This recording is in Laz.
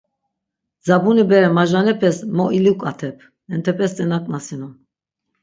Dzabuni bere majvanepes mo iluǩatep, entepes ti naǩnasinon.